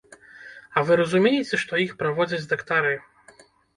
А вы разумееце, што іх праводзяць дактары.